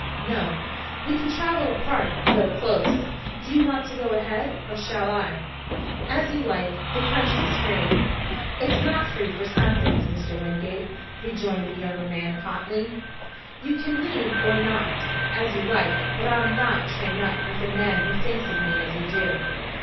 "No. We can travel apart, though close. Do you want to go ahead, or shall I?" "As you like. The country's free." "It's not free for some things, Mr. Wingate," rejoined the younger man hotly. "You can lead or not, as you like; but I'll not train up with a man who thinks of me as you do.